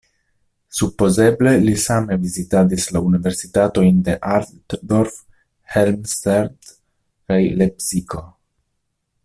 Supozeble li same vizitadis la Universitatojn de Altdorf, Helmstedt kaj Lepsiko.